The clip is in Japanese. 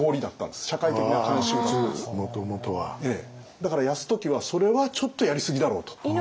だから泰時はそれはちょっとやりすぎだろうと。